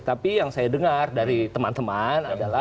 tapi yang saya dengar dari teman teman adalah